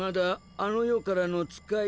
あの世からの使い？